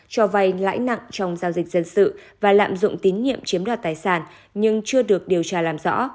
cho vay lãi nặng trong giao dịch dân sự và lạm dụng tín nhiệm chiếm đoạt tài sản nhưng chưa được điều tra làm rõ